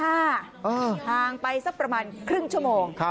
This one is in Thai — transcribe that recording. ห่างไปสักประมาณครึ่งชั่วโมง